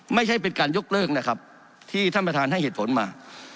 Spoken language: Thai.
ไม่ใช่เป็นการยกเลิกนะครับที่ท่านประธานให้เหตุผลมา